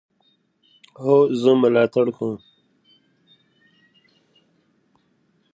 ایا ستاسې ملګري ستاسې ملاتړ کوي؟